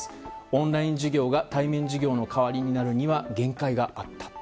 オンライン授業が対面授業の代わりになるには限界があった。